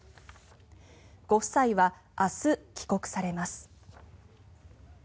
ご夫妻は明日、帰国されます。